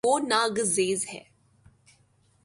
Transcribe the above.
وہ نا گزیر ہے